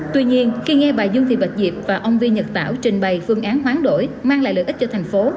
tuy nhiên khi nghe bà dương thị bạch diệp và ông vi nhật tảo trình bày phương án hoán đổi mang lại lợi ích cho thành phố